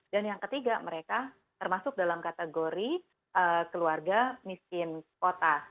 dan yang ketiga mereka termasuk dalam kategori keluarga miskin kota